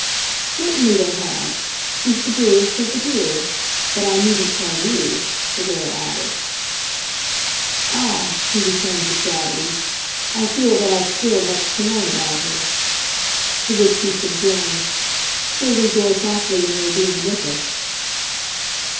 "Certainly they have. She's the dearest of the dear. But I needn't tell you," the girl added. "Ah," he returned with gravity, "I feel that I've still much to learn about her." To which he subjoined "She'll rejoice awfully in your being with us."